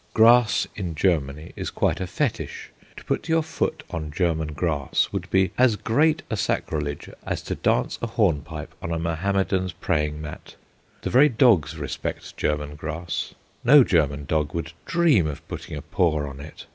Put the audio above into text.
Grass in Germany is quite a fetish. To put your foot on German grass would be as great a sacrilege as to dance a hornpipe on a Mohammedan's praying mat. The very dogs respect German grass; no German dog would dream of putting a paw on it.